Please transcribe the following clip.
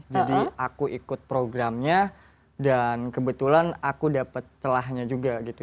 jadi aku ikut programnya dan kebetulan aku dapat celahnya juga gitu